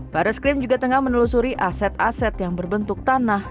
baris krim juga tengah menelusuri aset aset yang berbentuk tanah